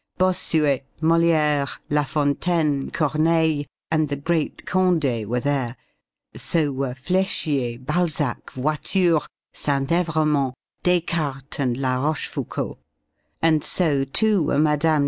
Bossuet, Molière, La Fontaine, Corneille and the great Condé were there; so were Fléchier, Balzac, Voiture, Saint Evremont, Descartes and La Rochefoucauld; and so, too, were Mme.